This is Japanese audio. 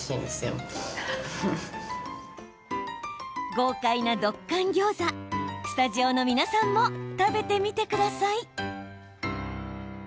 豪快なドッカン・ギョーザスタジオの皆さんも食べてみてください。